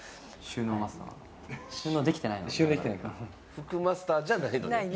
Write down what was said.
服マスターじゃないのね。